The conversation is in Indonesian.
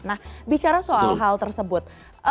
nah bicara soal hal tersebut